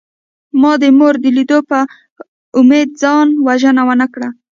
ما د مور د لیدو په امید ځان وژنه ونکړه